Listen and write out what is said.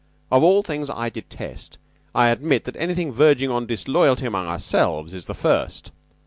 Of all things I detest, I admit that anything verging on disloyalty among ourselves is the first."